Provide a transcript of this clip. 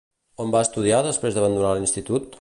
On va estudiar després d'abandonar l'institut?